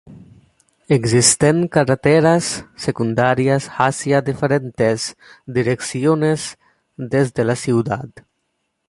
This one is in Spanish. Existen carreteras secundarias hacia diferentes direcciones desde la ciudad.